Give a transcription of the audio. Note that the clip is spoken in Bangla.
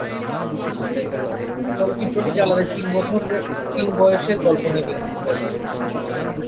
চলচ্চিত্রটি জালালের তিন বয়সের গল্প নিয়ে নির্মিত হয়েছে।